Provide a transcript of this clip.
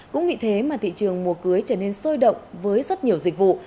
cũng vì thế mà thị trường mùa cưới trở nên sôi động với rất nhiều dịch vụ